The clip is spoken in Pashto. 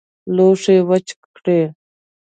لوښي وچ کړئ